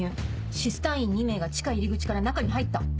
ＳＩＳ隊員２名が地下入り口から中に入った」。